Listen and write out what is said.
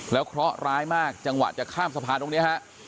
แล้วเคราะห์ร้ายมากจังหวะจะข้ามสะพานตรงนี้ฮะ